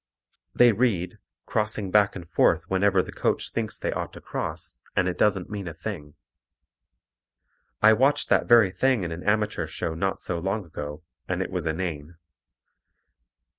They read, crossing back and forth whenever the coach thinks they ought to cross, and it doesn't mean a thing. I watched that very thing in an amateur show not so long ago, and it was inane.